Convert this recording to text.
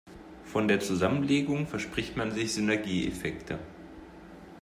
Von der Zusammenlegung verspricht man sich Synergieeffekte.